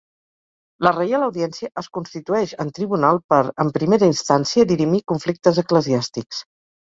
La Reial Audiència es constitueix en tribunal per, en primera instància, dirimir conflictes eclesiàstics.